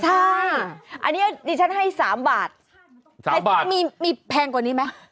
ใช่อันนี้นี่ฉันให้สามบาทสามบาทมีมีแพงกว่านี้ไหม